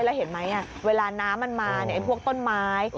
แล้วเห็นไหมเวลาน้ำมันมาพวกต้นไม้